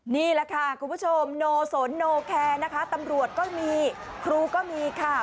นี่แหละค่ะคุณผู้ชมโนสนโนแคร์นะคะตำรวจก็มีครูก็มีค่ะ